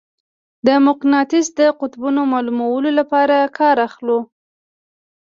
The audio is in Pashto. د مقناطیس د قطبونو معلومولو لپاره کار اخلو.